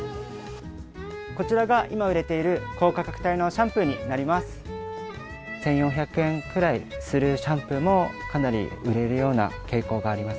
こちらが今売れている高価格帯のシャンプーになります。